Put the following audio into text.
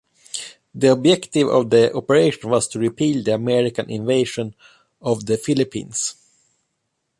The objective of the operation was to repel the American invasion of the Philippines.